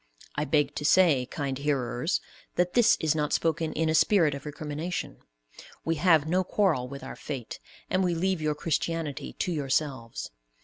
I beg to say, kind hearers, that this is not spoken in a spirit of recrimination. We have no quarrel with our fate, and we leave your Christianity to yourselves.